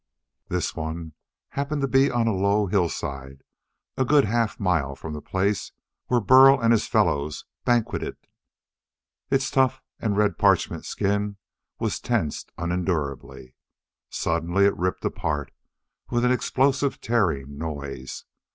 This one happened to be on a low hillside a good half mile from the place where Burl and his fellows banqueted. Its tough, red parchment skin was tensed unendurably. Suddenly it ripped apart with an explosive tearing noise.